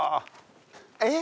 えっ！？